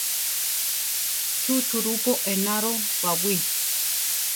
Chú churupo enaro baʼwí?